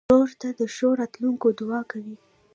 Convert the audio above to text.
ورور ته د ښو راتلونکو دعاوې کوې.